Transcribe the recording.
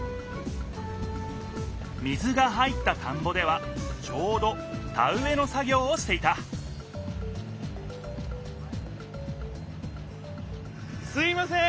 水が入った田んぼではちょうど田うえの作ぎょうをしていたすみません！